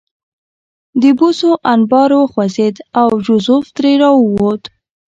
د بوسو انبار وخوځېد او جوزف ترې راووت